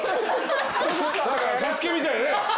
『ＳＡＳＵＫＥ』みたいにね。